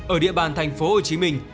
ở địa bàn thành phố hồ chí minh